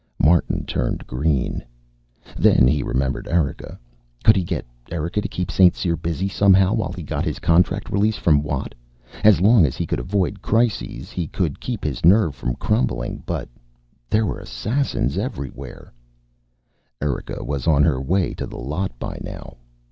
Martin turned green. Then he remembered Erika. Could he get Erika to keep St. Cyr busy, somehow, while he got his contract release from Watt? As long as he could avoid crises, he could keep his nerve from crumbling, but there were assassins everywhere! Erika was on her way to the lot by now.